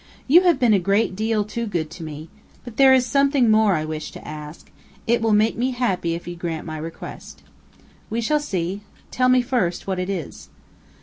"You have been a great deal too good to me. But there is something more I wish to ask; it will make me happy if you will grant my request." "We shall see. Tell me first what it is."